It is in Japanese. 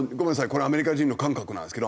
これアメリカ人の感覚なんですけど。